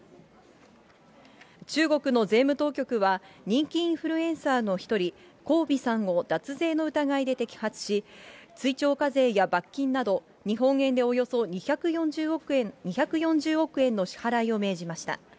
中国の税務当局は、人気インフルエンサーの一人、黄薇さんを脱税の疑いで摘発し、追徴課税や罰金など日本円でおよそ２４０億円の支払いを命じました。